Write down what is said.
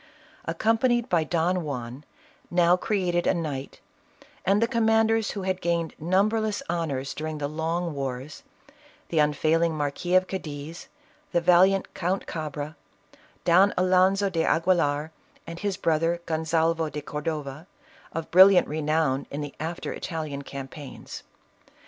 Accompanied by Don Juan, now created a knight, and the command ers who had gained numberless honors during the long wars, the unfailing Marquis of Cadiz, the valiant Count Cabra, Don Alonzo de Aguilar, and his brother Gon salvo de Cordova, of brilliant renown in the after Ital ian campaigns.